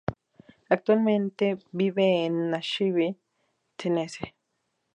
Actualmente vive en Nashville, Tennessee.